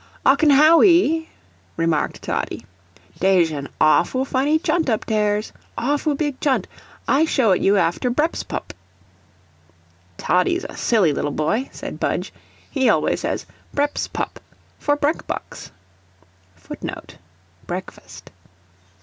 "Ocken Hawwy," remarked Toddie, "daysh an awfoo funny chunt up 'tairs awfoo BIG chunt. I show it you after brepspup." "Toddie's a silly little boy," said Budge; "he always says brepspup for brekbux." [Footnote: Breakfast.